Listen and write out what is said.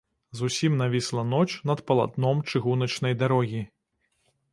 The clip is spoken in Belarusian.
Зусім навісла ноч над палатном чыгуначнай дарогі.